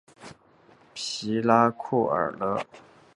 皮拉库鲁卡是巴西皮奥伊州的一个市镇。